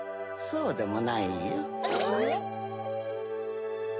そうでもないよ。